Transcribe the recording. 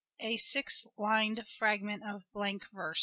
(A six lined fragment of blank verse.)